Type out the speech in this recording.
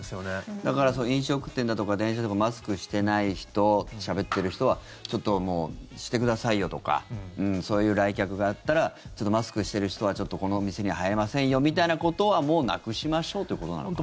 だから飲食店だとか電車とかマスクしてない人しゃべってる人はちょっと、してくださいよとかそういう来客があったらマスクしてる人は、この店には入れませんよみたいなことはもうなくしましょうということなのかな。